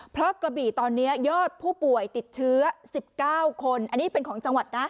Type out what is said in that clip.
เพราะกระบี่ตอนนี้ยอดผู้ป่วยติดเชื้อ๑๙คนอันนี้เป็นของจังหวัดนะ